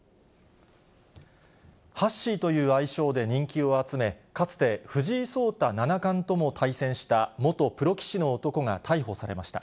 ハッシーという愛称で人気を集め、かつて藤井聡太七冠とも対戦した元プロ棋士の男が逮捕されました。